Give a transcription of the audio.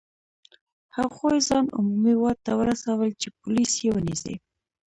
هغوی ځان عمومي واټ ته ورسول چې پولیس یې ونیسي.